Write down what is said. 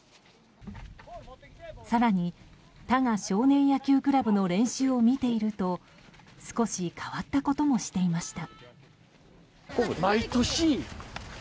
更に、多賀少年野球クラブの練習を見ていると少し変わったこともしていました。